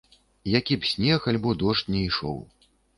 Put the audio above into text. Які б снег альбо дождж ні ішоў.